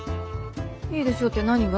いいでしょって何が？